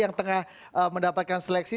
yang tengah mendapatkan seleksi